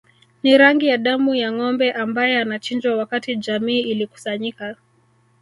Ni rangi ya damu ya ngombe ambae anachinjwa wakati jamii ikikusanyika